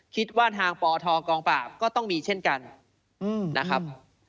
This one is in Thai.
คิดว่าทางปทกองปราบก็ต้องมีเช่นกันนะครับ